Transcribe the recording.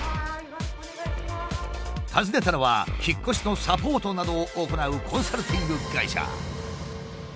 訪ねたのは引っ越しのサポートなどを行うコンサルティング会社。